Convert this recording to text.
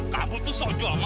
kamu tuh sojong banget